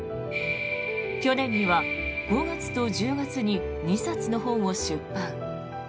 去年には５月と１０月に２冊の本を出版。